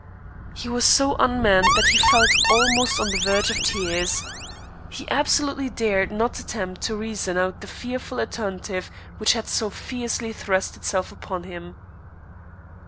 He was so unmanned that he felt almost on the verge of tears. He absolutely dared not attempt to reason out the fearful alternative which had so fiercely thrust itself upon him.